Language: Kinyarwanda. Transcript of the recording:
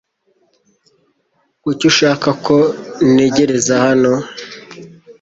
Kuki ushaka ko ntegereza hano?